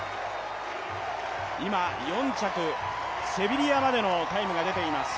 今、４着、セビリアまでのタイムが出ています。